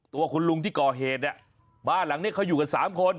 ตัวคุณลุงที่ก่อเหตุเนี่ยบ้านหลังนี้เขาอยู่กัน๓คน